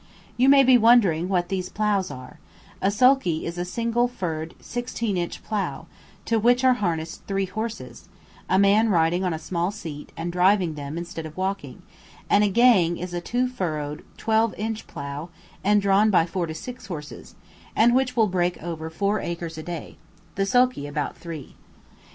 You may be wondering what these ploughs are: a sulky is a single furrowed sixteen inch plough, to which are harnessed three horses, a man riding on a small seat and driving them instead of walking; and a "gang" is a two furrowed twelve inch plough, and drawn by four to six horses, and which will break over four acres a day; the sulky about three.